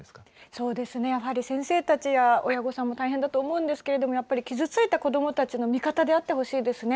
そうですね、やはり先生たちや親御さんも大変だと思うんですけれども、やっぱり傷ついた子どもたちの味方であってほしいですね。